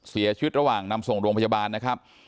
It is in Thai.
เสียชีวิตระหว่างนำส่งโรงพยาบาลนะครับ